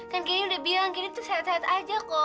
kan kayaknya udah bilang gini tuh sehat sehat aja kok